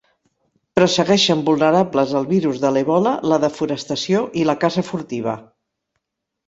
Però segueixen vulnerables al virus de l'Ebola, la desforestació i la caça furtiva.